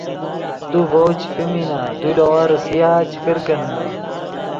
تو ڤؤ چے پیمینا تو لے ون ریسیا چے کرکینے